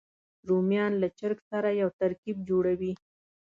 رومیان له چرګ سره یو ترکیب جوړوي